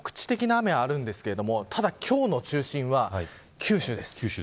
この後も局地的な雨はあるんですけどただ、今日の中心は九州です。